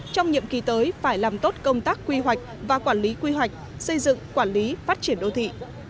trong nhiệm kỳ tới phải làm tốt công tác quy hoạch và quản lý quy hoạch xây dựng quản lý phát triển đô thị